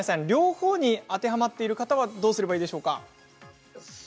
両方に当てはまっている方はどうすればいいでしょうか？